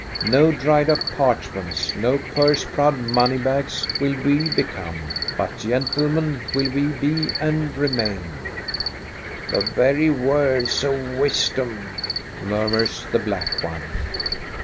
No dried up parchments, no purse proud money bags will we become, but gentle men will we be and remain." "The very words of wisdom," murmurs the black one.